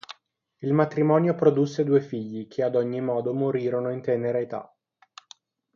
Il matrimonio produsse due figli che ad ogni modo morirono in tenera età.